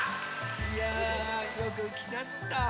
いやよくきなすった。